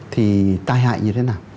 thì tai hại như thế nào